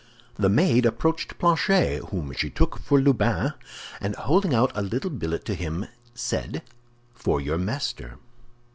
The maid approached Planchet, whom she took for Lubin, and holding out a little billet to him said, "For your master."